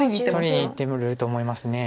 取りにいってると思います。